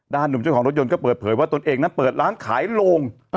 หนุ่มเจ้าของรถยนต์ก็เปิดเผยว่าตนเองนั้นเปิดร้านขายโรง